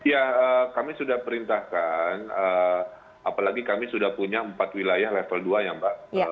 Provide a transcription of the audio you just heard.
ya kami sudah perintahkan apalagi kami sudah punya empat wilayah level dua ya mbak